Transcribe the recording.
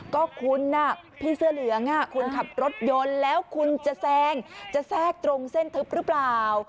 ก็คุณพี่เสื้อเหลืองคุณขับรถยนต์แล้วคุณจะแซงจะแทรกตรงเส้นทึบหรือเปล่า